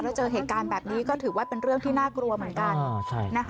แล้วเจอเหตุการณ์แบบนี้ก็ถือว่าเป็นเรื่องที่น่ากลัวเหมือนกัน